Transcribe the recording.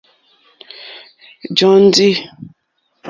Jóndì.